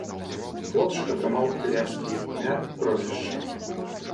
Хлопчык атрымаў італьянскія імя і прозвішча.